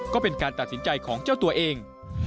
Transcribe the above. ก็เป็นการตัดสินใจของเจ้าตัวเอง